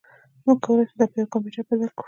موږ کولی شو دا په یو کمپیوټر بدل کړو